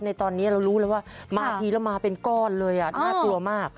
ในตอนนี้เรารู้แล้วว่ามาทีแล้วมาเป็นก้อนเลยน่ากลัวมาก